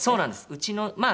うちのまあ